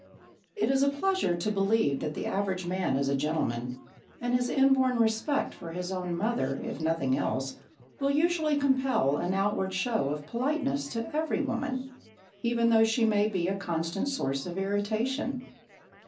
It is a pleasure to believe that the average man is a gentleman, and his inborn respect for his own mother, if nothing else, will usually compel an outward show of politeness to every woman, even though she may be a constant source of irritation.